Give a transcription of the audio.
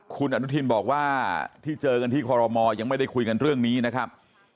คุณอนุทินบอกว่าที่เจอกันที่คอรมอลยังไม่ได้คุยกันเรื่องนี้นะครับ